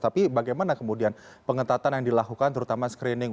tapi bagaimana kemudian pengetatan yang dilakukan terutama screening